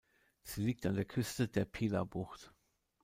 Sie liegt an der Küste der Pilar-Bucht.